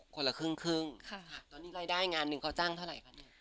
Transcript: คนละครึ่งครึ่งตอนนี้รายได้งานเลยเค้าจังเท่าไหร่ค่ะ